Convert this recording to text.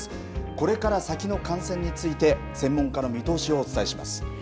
これから先の感染について専門家の見通しをお伝えします。